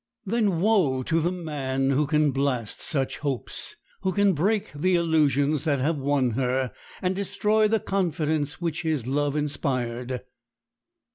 Then woe to the man who can blast such hopes, who can break the illusions that have won her, and destroy the confidence which his love inspired!